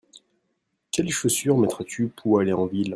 Quelles chaussures mettras-tu pou aller en ville ?